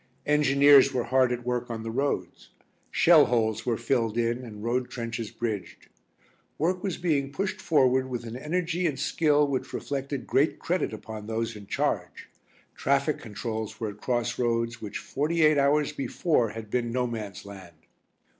Engineers were hard at work on the roads; shell holes were filled in and road trenches bridged. Work was being pushed forward with an energy and skill which reflected great credit upon those in charge; traffic controls were at cross roads which forty eight hours before had been "No Man's Land."